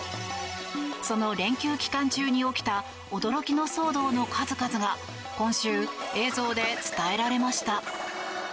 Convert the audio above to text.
その連休期間中に起きた驚きの騒動の数々が今週、映像で伝えられました。